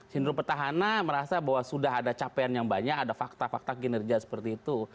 sindro petahana merasa bahwa sudah ada capaian yang banyak ada fakta fakta kinerja seperti itu